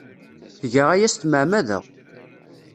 Tga aya s tmeɛmada.